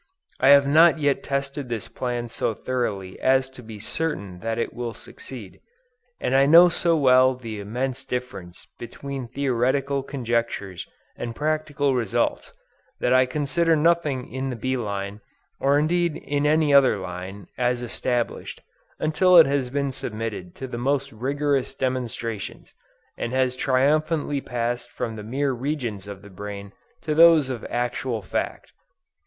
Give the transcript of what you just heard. I have not yet tested this plan so thoroughly as to be certain that it will succeed; and I know so well the immense difference between theoretical conjectures and practical results, that I consider nothing in the bee line, or indeed in any other line, as established, until it has been submitted to the most rigorous demonstrations, and has triumphantly passed from the mere regions of the brain to those of actual fact.